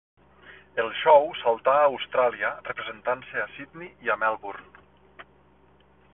El show saltà a Austràlia, representant-se a Sydney i a Melbourne.